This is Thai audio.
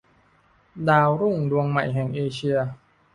ดาวรุ่งดวงใหม่แห่งเอเชีย